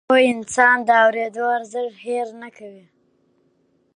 پوه انسان د اورېدو ارزښت هېر نه کوي’